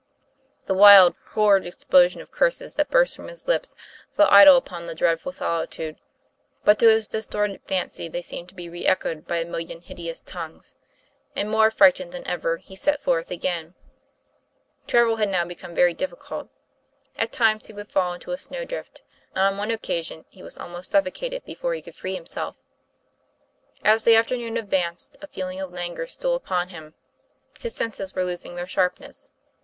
The wild, horrid explosion of curses that burst from his lips fell idle upon the dreadful solitude, but to his distorted fancy they seemed to be re echoed TOM PLAYFAIR. 251 by a million hideous tongues; and more affrighted than ever, he set forward again. Travel had now become very difficult. At times he would fall into a snow drift, and on one occasion he was almost suffocated before he could free himself. As the afternoon advanced, a feeling of languor stole upon him; his senses were losing their sharpness.